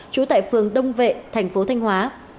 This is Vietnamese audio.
chú tại phường đông vệ thành phố thanh hóa